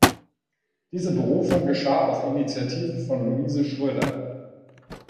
Diese Berufung geschah auf Initiative von Louise Schroeder.